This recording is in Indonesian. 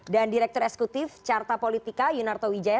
dan direktur eskutif carta politika yunarto wijaya